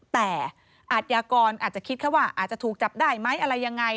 แต่อาทยากรอาจจะคิดแค่ว่าอาจจะถูกจับได้ไหมอะไรยังไง